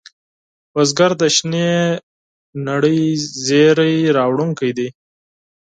بزګر د شنې نړۍ زېری راوړونکی دی